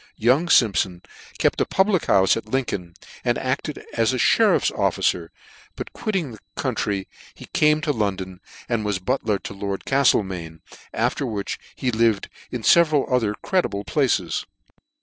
Young Simpfon kept a public houle at Lincoln, and acted as a merifPs officer ; but quitting the country, he came to London, and was butler to Lord Caftlemain ; after which he lived in feveral other creditable places.